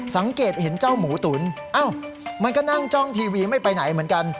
สังเกตเห็นเจ้าหมูตุ๋นอ้าวมันก็นั่งจ้องทีวีไม่ไปไหนเหมือนกัน